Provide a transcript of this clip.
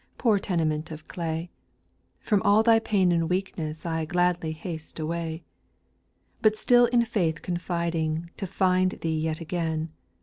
Poor tenement of clav I mf From all thy pain and weakness I gladly haste away ; But still in faith confiding To find Thee yet again.